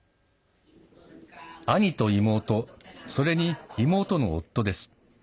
兄と妹、それに妹の夫です。